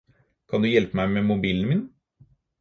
Kan du hjelpe meg med mobilen min?